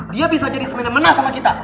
dia bisa jadi semena mena sama kita